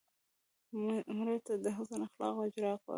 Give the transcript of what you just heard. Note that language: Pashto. مړه ته د حسن اخلاقو اجر غواړو